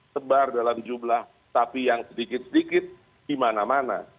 sebar dalam jumlah sapi yang sedikit sedikit di mana mana